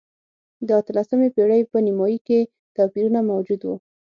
د اتلسمې پېړۍ په نییمایي کې توپیرونه موجود و.